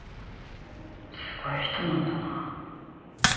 すごい人なんだな。